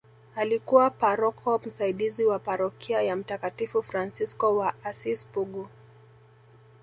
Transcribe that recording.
Alikuwa paroko msaidizi wa parokia ya mtakatifu Fransisco wa Assis Pugu